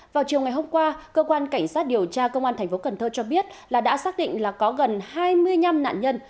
vào chiều ngày hôm qua cơ quan cảnh sát điều tra công an tp cn cho biết là đã xác định là có gần hai mươi năm nạn nhân